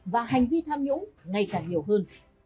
và hành vi tham nhũng ngày càng nhiều hơn